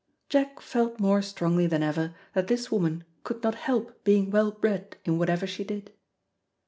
Jack felt more strongly than ever that this woman could not help being well bred in whatever she did.